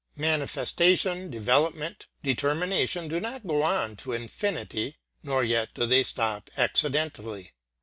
Manifestation, development, determination do not go on to infinity, nor yet do they stop accidentally.